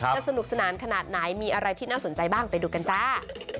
สนุกสนานขนาดไหนมีอะไรที่น่าสนใจบ้างไปดูกันจ้า